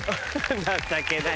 情けない。